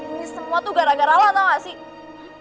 ini semua tuh gara gara lo tau gak sih